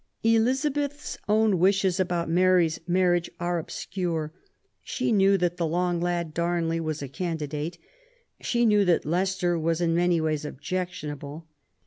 Elizabeth's own wishes about Mary's marriage are obscure. She knew that *' the long lad," Damley, was a candidate ; she knew that Leicester was in many ways objectionable.